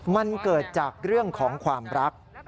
มันเกิดจากเรื่องของความรัก